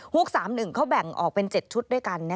๓๑เขาแบ่งออกเป็น๗ชุดด้วยกัน